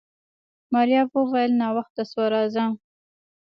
ماريا وويل ناوخته شو راځه.